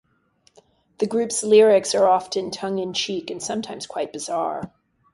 The group's lyrics are often tongue-in-cheek and sometimes quite bizarre.